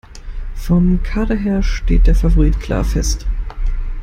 Vom Kader her steht der Favorit klar fest.